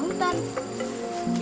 budi kenapa budi